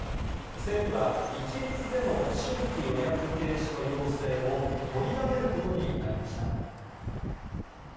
政府は一律での新規予約停止の要請を取りやめることになりました。